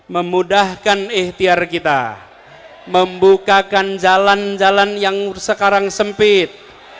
memudahkan ikhtiar kita membukakan jalan jalan yang sekarang sempit